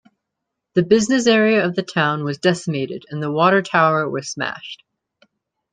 The business area of the town was decimated and the water tower was smashed.